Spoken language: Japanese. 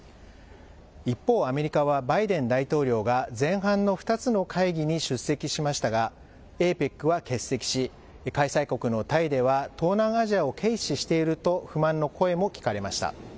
一方、アメリカはバイデン大統領が前半の２つの会議に出席しましたが、ＡＰＥＣは欠席し、開催国のタイでは、東南アジアを軽視していると不満の声も聞かれました。